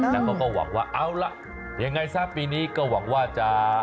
แล้วเขาก็หวังว่าเอาล่ะยังไงซะปีนี้ก็หวังว่าจะ